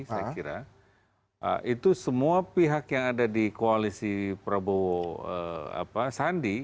saya kira itu semua pihak yang ada di koalisi prabowo sandi